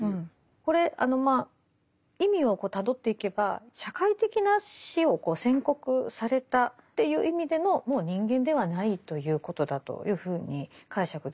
これまあ意味をたどっていけば社会的な死を宣告されたという意味でのもう人間ではないということだというふうに解釈できます。